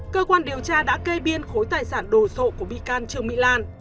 cơ quan điều tra đã kê biên khối tài sản đồ sộ của bị can trương mỹ lan